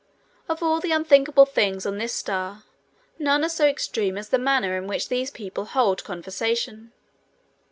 Of all the unthinkable things on this star none are so extreme as the manner in which these people hold conversation.